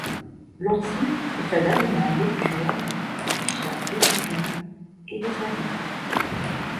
L'oncille est un animal nocturne qui chasse des rongeurs et des oiseaux.